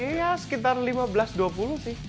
iya sekitar lima belas dua puluh sih